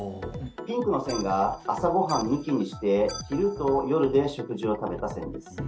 ピンクの線が朝ご飯抜きにして昼と夜で食事を食べた線です